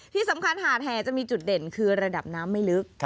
ที่สำคัญหาดแห่จะมีจุดเด่นคือระดับน้ำไม่ลึก